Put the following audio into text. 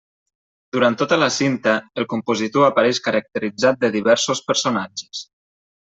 Durant tota la cinta el compositor apareix caracteritzat de diversos personatges.